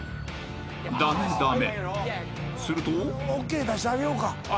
［すると］ＯＫ出してあげようか。